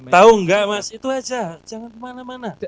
tahu nggak mas itu aja jangan kemana mana